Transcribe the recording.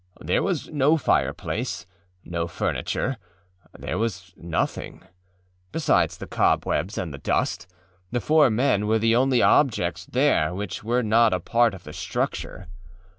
There was no fireplace, no furniture; there was nothing: besides the cobwebs and the dust, the four men were the only objects there which were not a part of the structure.